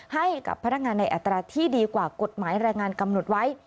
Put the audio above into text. ให้กับพนักงานในอัตราที่ดีกว่ากฎหมายแรงงานกำหนดไว้